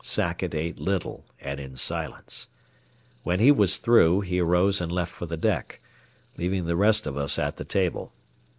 Sackett ate little, and in silence. When he was through, he arose and left for the deck, leaving the rest of us at the table.